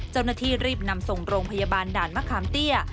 เจ้าหน้าที่รีบนำส่งโรงพยาบาลด่านมะขามเตี้ย